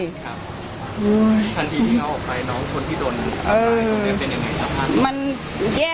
ครับทันทีที่เขาออกไปน้องคนที่โดนเออ